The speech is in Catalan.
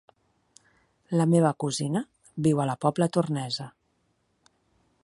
La meva cosina viu a la Pobla Tornesa.